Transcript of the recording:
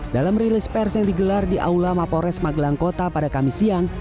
dalam rilis pers yang digelar di aula mapores magelang kota pada kamis siang